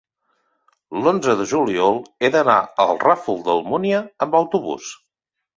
L'onze de juliol he d'anar al Ràfol d'Almúnia amb autobús.